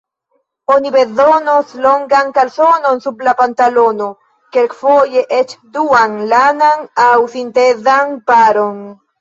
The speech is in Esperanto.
Oni bezonos longan kalsonon sub la pantalono, kelkfoje eĉ duan, lanan aŭ sintezan paron.